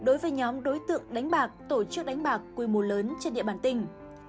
đối với nhóm đối tượng đánh bạc tổ chức đánh bạc quy mô lớn trên địa bàn tỉnh